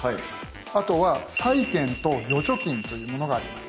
あとは債券と預貯金というものがあります。